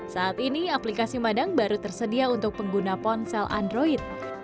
saat ini aplikasi madang baru tersedia untuk pengguna ponsel android